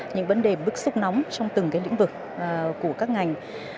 những vấn đề bức xúc nóng trong từng lĩnh vực của các ngành